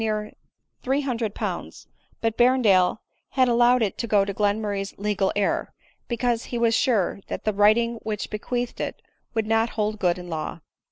209 The money was near 300Z; but Berrendale had al lowed it to go to Glerimurray's legal heir, because he was sure that the writing which bequeathed it would not hold good in law.